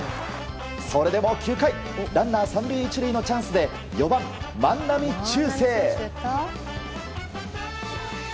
それでも９回ランナー３塁１塁のチャンスで４番、万波中正。